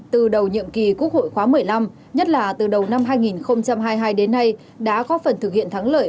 từ đầu nhiệm kỳ quốc hội khóa một mươi năm nhất là từ đầu năm hai nghìn hai mươi hai đến nay đã có phần thực hiện thắng lợi